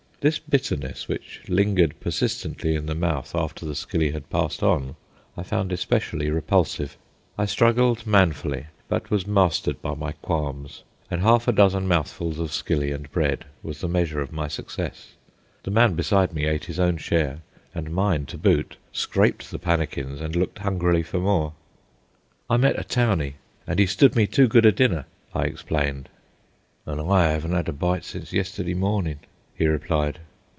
This bitterness which lingered persistently in the mouth after the skilly had passed on, I found especially repulsive. I struggled manfully, but was mastered by my qualms, and half a dozen mouthfuls of skilly and bread was the measure of my success. The man beside me ate his own share, and mine to boot, scraped the pannikins, and looked hungrily for more. "I met a 'towny,' and he stood me too good a dinner," I explained. "An' I 'aven't 'ad a bite since yesterday mornin'," he replied.